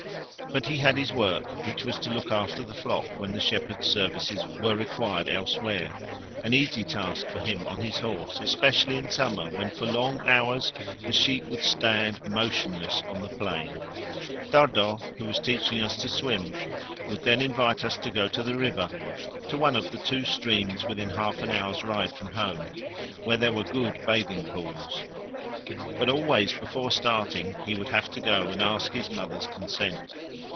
But he had his work, which was to look after the flock when the shepherd's services were required elsewhere; an easy task for him on his horse, especially in summer when for long hours the sheep would stand motionless on the plain. Dardo, who was teaching us to swim, would then invite us to go to the river to one of two streams within half an hour's ride from home, where there were good bathing pools! but always before starting he would have to go and ask his mother's consent.